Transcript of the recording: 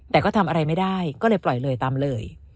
แต่ก็ทำอะไรไม่ได้ก็เลยปล่อยเลยตามเลย